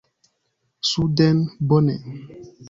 “Suden”, bone.